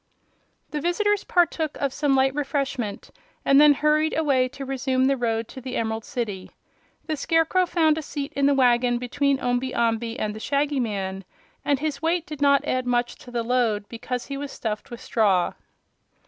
The visitors partook of some light refreshment and then hurried away to resume the road to the Emerald City. The Scarecrow found a seat in the wagon between Omby Amby and the Shaggy Man, and his weight did not add much to the load because he was stuffed with straw.